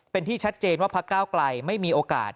เป็นที่ชัดเจนว่าพักก้าวไกลไม่มีโอกาส